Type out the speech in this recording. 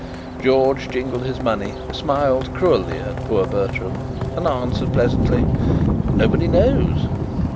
George jingled his money, smiled cruelly at poor Bertram, and answered pleasantly: "Nobody knows.